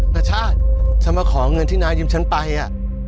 นาชาติฉันมาขอเงินที่น้ายืมฉันไปอ่ะ